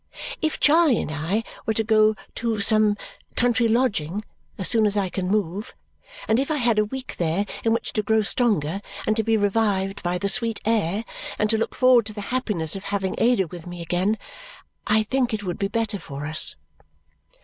If Charley and I were to go to some country lodging as soon as I can move, and if I had a week there in which to grow stronger and to be revived by the sweet air and to look forward to the happiness of having Ada with me again, I think it would be better for us."